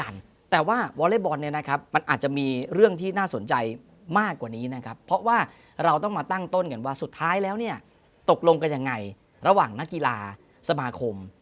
ระหว่างนักกีฬาสมาครม